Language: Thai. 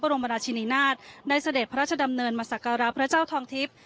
รมราชินินาศได้เสด็จพระราชดำเนินมาสักการะพระเจ้าทองทิพย์